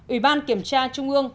ủy ban kiểm tra trung ương